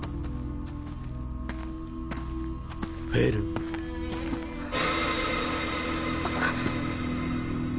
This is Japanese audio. ・フェルン・あっ！